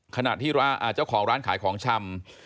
ขณะที่เจ้าของร้านขายของชำ